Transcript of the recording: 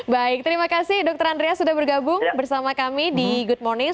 baik terima kasih dokter andreas sudah bergabung bersama kami di good morning